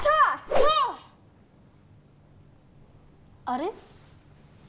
あれ？